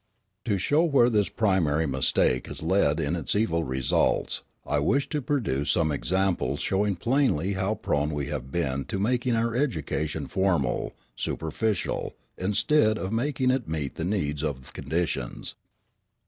To show where this primary mistake has led in its evil results, I wish to produce some examples showing plainly how prone we have been to make our education formal, superficial, instead of making it meet the needs of conditions.